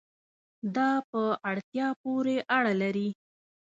دا په اړتیا پورې اړه لري